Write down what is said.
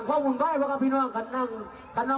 เรื่องวงแบบว่าพี่น้องกันเนิ่งอ้าว